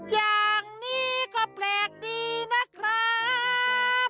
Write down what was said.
อย่างนี้ก็แปลกดีนะครับ